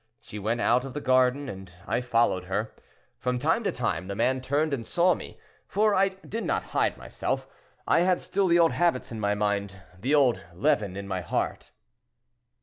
She went out of the garden, and I followed her; from time to time the man turned and saw me, for I did not hide myself; I had still the old habits in my mind—the old leaven in my heart."